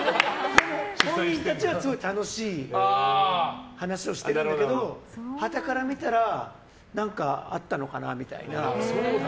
本人たちはすごい楽しい話をしてるんだけどはたから見たら何かあったのかなみたいな。